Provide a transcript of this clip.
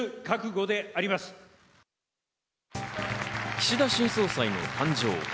岸田新総裁の誕生。